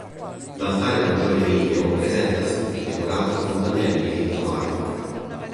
L'altare maggiore ligneo presenta stucchi decorati con pannelli di finto marmo.